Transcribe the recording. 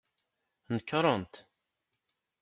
Nekrent.